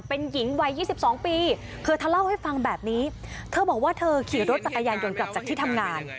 เป็นหญิงวัย๒๒ปีเธอเธอเล่าให้ฟังแบบนี้เธอบอกว่าเธอขี่รถจักรยานยนต์กลับจากที่ทำงาน